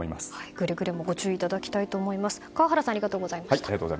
くれぐれもご注意いただきたいと思います。